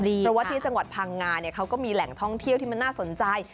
เพราะว่าที่จังหวัดพังงาเขาก็มีแหล่งท่องเที่ยวที่มันน่าสนใจ